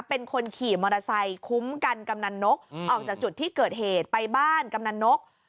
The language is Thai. เป็นคนขี่มอเตอร์ไซค์คุ้มกันกำนันนกออกจากจุดที่เกิดเหตุไปบ้านกำนันนก